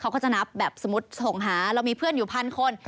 เขาก็จะนับแบบสมมุติส่งหาเรามีเพื่อนอยู่พันคน